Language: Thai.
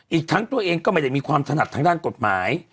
อีกทั้งตัวเองก็ไม่ได้มีความถนัดทางด้านกฎหมาย